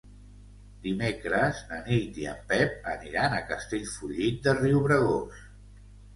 Dimecres na Nit i en Pep aniran a Castellfollit de Riubregós.